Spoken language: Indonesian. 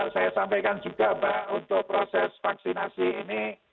saya sampaikan juga mbak untuk proses vaksinasi ini